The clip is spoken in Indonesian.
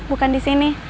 bukan di sini